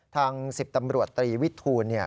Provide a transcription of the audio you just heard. ๑๐ตำรวจตรีวิทูล